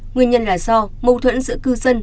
nguyên nhân là do mâu thuẫn giữa cư dân